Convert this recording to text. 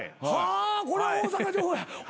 あこれは大阪情報や。